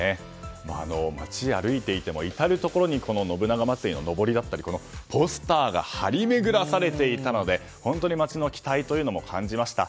街を歩いていても至るところに信長まつりのポスターなどが張り巡らされていたので本当に街の期待というのを感じました。